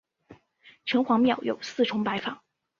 城隍庙有四重牌坊。